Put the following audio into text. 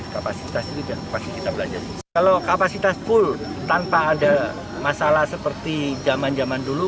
kapasitas juga pasti kita belajar kalau kapasitas full tanpa ada masalah seperti zaman zaman dulu